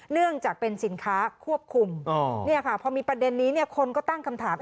เนื่องจากเป็นสินค้าควบคุมพอมีประเด็นนี้คนก็ตั้งคำถาม